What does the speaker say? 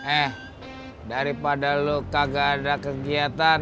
eh daripada lu kagak ada kegiatan